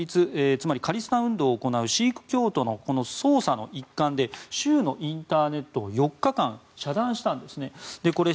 つまりカリスタン運動を行うシーク教徒の捜査の一環で州のインターネットを４日間、遮断したんですね。